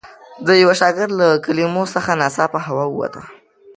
د یوه شاګرد له کلمو څخه ناڅاپه هوا ووته.